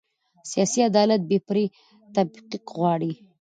سیاسي عدالت بې پرې تطبیق غواړي